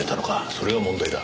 それが問題だ。